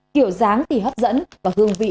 kiểu dáng thì hấp dẫn và hương vị